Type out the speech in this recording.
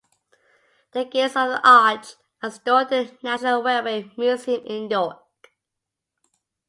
The gates of the arch are stored at the National Railway Museum in York.